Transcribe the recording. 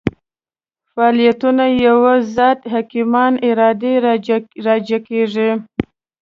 فاعلیتونه یوه ذات حکیمانه ارادې راجع کېږي.